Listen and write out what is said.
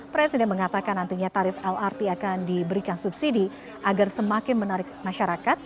presiden mengatakan nantinya tarif lrt akan diberikan subsidi agar semakin menarik masyarakat